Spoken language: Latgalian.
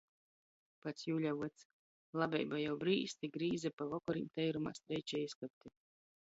Pats juļa vyds, labeiba jau brīst i grīze pa vokorim teirumā streičej izkapti.